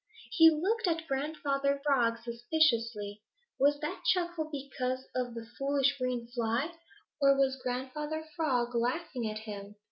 He looked at Grandfather Frog suspiciously. Was that chuckle because of the foolish green fly, or was Grandfather Frog laughing at him?